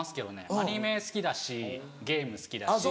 アニメ好きだしゲーム好きだし。